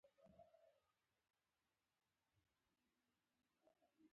اوس شرایط بدل شوي وو او بله لاره نه وه